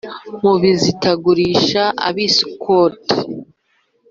abizitagurisha ab i Sukoti